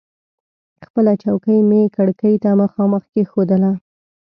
خپله چوکۍ مې کړکۍ ته مخامخ کېښودله.